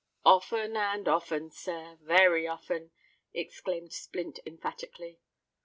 "Often and often, sir—very often," exclaimed Splint, emphatically.